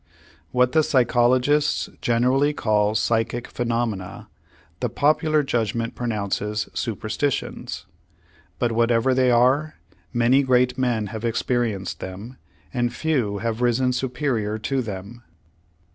What the psychologists generally call psychic phenomena, the popular judgment pronounces superstitions. But whatever they are, many great men have experienced them, and few have risen superior to them.